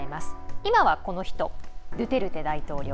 今はドゥテルテ大統領